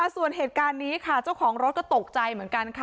ส่วนเหตุการณ์นี้ค่ะเจ้าของรถก็ตกใจเหมือนกันค่ะ